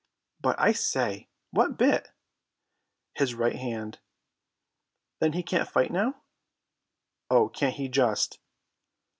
"But, I say, what bit?" "His right hand." "Then he can't fight now?" "Oh, can't he just!"